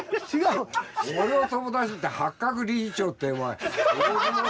俺の友達に八角理事長ってお前。